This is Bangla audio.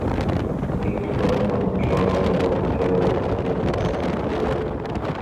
এটি একটি প্রধান বাণিজ্য শহর ছিল এবং অঞ্চল এবং জাতির রাজধানী হয়ে উঠে।